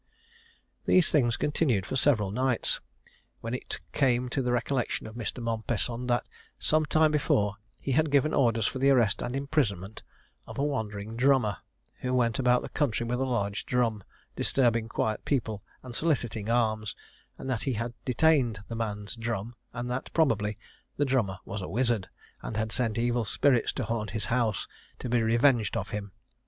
These things continued for several nights, when it came to the recollection of Mr. Mompesson that, some time before, he had given orders for the arrest and imprisonment of a wandering drummer, who went about the country with a large drum, disturbing quiet people and soliciting alms, and that he had detained the man's drum, and that, probably, the drummer was a wizard, and had sent evil spirits to haunt his house, to be revenged of him.